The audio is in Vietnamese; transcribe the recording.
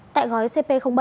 tại gói cp bảy